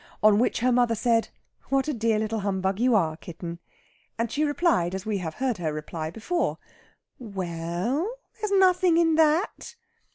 On which her mother said, "What a dear little humbug you are, kitten," and she replied, as we have heard her reply before, "We e ell, there's nothing in that!"